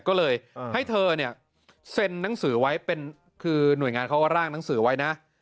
ก็เลยให้เธอเซ็นนังสือไว้หน่วยงานเขาว่าร่างนังสือไว้นะ